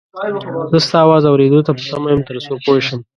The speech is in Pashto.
زه ستا اواز اورېدو ته په تمه یم تر څو پوی شم